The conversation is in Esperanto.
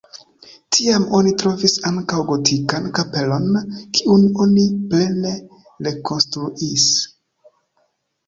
Tiam oni trovis ankaŭ gotikan kapelon, kiun oni plene rekonstruis.